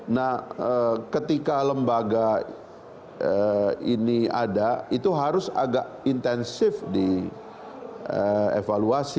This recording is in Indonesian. nah ketika lembaga ini ada itu harus agak intensif di evaluasi